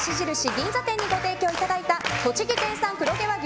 銀座店にご提供いただいた栃木県産黒毛和牛